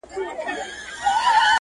او په پای کي یې